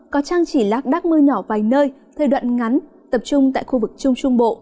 có trang trì lác đắc mưa nhỏ vài nơi thời đoạn ngắn tập trung tại khu vực trung trung bộ